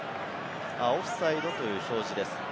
オフサイドという表示です。